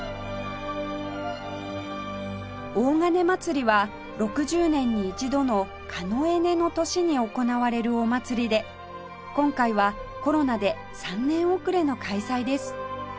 洪鐘祭は６０年に一度の庚子の年に行われるお祭りで今回はコロナで３年遅れの開催です